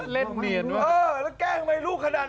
เล่นเบียนแล้วแกล้งไหมรูขนาดนั้น